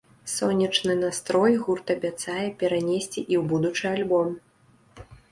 Сонечны настрой гурт абяцае перанесці і ў будучы альбом.